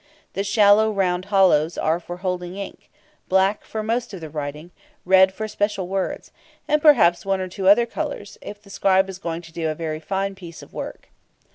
The shallow round hollows are for holding ink black for most of the writing, red for special words, and perhaps one or two other colours, if the scribe is going to do a very fine piece of work.